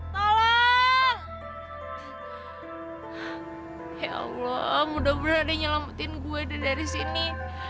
ya allah mudah mudahan ada yang nyelamatin gue dari sini